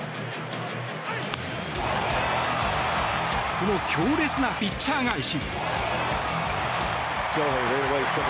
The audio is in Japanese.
この強烈なピッチャー返し。